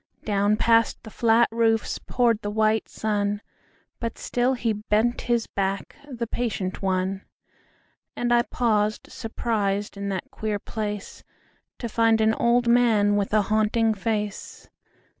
Down past the flat roofsPoured the white sun; But still he bent his back, The patient one. And I paused surprisedIn that queer placeTo find an old manWith a haunting face.